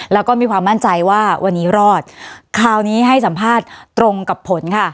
แล้วก็มีความมั่นใจว่าวันนี้รอดคราวนี้ให้สัมภาษณ์ตรงกับผลค่ะ